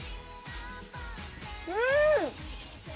うん！